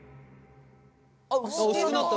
あっ薄くなった。